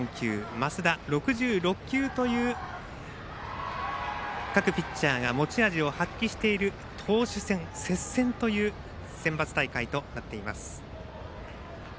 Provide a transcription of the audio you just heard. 升田、６６球という各ピッチャーが持ち味を発揮している投手戦、接戦というセンバツ大会となっています。